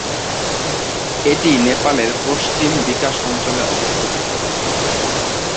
এটি নেপালের পশ্চিম বিকাশ অঞ্চলে অবস্থিত।